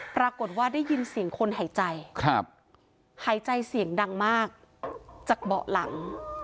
ปรากฏว่าได้ยินเสียงคนหายใจหายใจเสียงดังมากจากเบาะหลัง